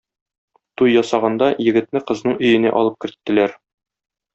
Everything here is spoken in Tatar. Туй ясаганда егетне кызның өенә алып керттеләр.